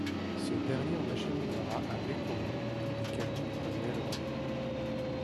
Ce dernier en acheminera à Baie-Comeau d’où des camions prenaient le relai.